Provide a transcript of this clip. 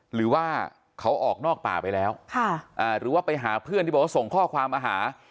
หรือว่าเขาออกนอกป่าไปแล้วหรือว่าไปหาเพื่อนที่บอกว่าส่งข้อความมาหา